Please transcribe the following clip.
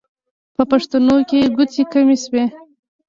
په پښتنو کې ګوتې کمې شوې.